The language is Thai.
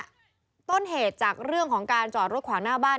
ต้นเหตุจากเรื่องของการจอดรถขวางหน้าบ้าน